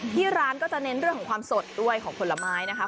ที่ร้านก็จะเน้นเรื่องของความสดด้วยของผลไม้นะคะ